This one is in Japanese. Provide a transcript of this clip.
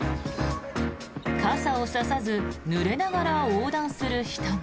傘を差さずぬれながら横断する人も。